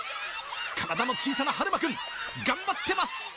体の小さなはるま君、頑張ってます。